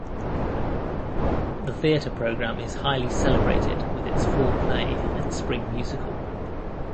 The theatre program is highly celebrated with its fall play and spring musical.